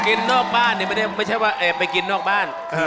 กินนอกบ้านไม่ใช่ว่ากินนอกบ้าน